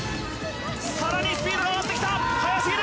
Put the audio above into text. さらにスピードが上がってきた速すぎる！